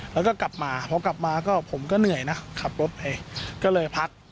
แล้วก็กลับมาพอกลับมาก็ผมก็เหนื่อยนะขับรถไปก็เลยพัก